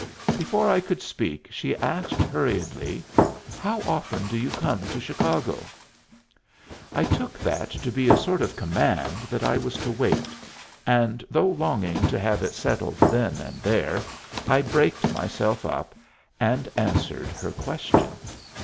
Before I could speak, she asked hurriedly, "How often do you come to Chicago?" I took that to be a sort of command that I was to wait, and though longing to have it settled then and there, I braked myself up and answered her question.